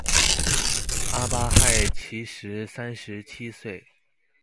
阿巴亥其时三十七岁。